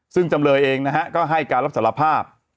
ซึ่งจำเลยเองนะฮะก็ให้การรับสารภาพ